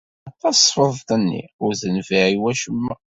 Tasfeḍt-nni ur tenfiɛ i wacemma.